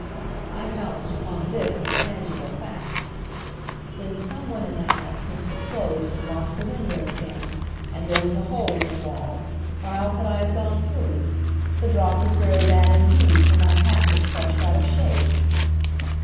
I pounced upon this as a tangible fact. "Then some one in the house must have closed and locked the window again; and there was a hole in the wall, or how could I have gone through it? The drop was very bad indeed, for my hat was crushed out of shape."